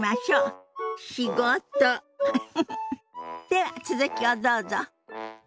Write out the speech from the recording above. では続きをどうぞ。